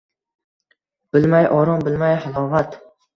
Bilmay orom, bilmay halovat